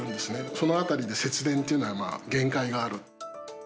そのあたりで節電というのは限界がある。